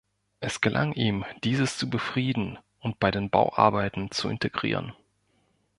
Es gelang ihm, dieses zu befrieden und bei den Bauarbeiten zu integrieren.